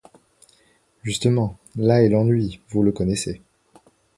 Justement, là est l'ennui, vous le connaissez.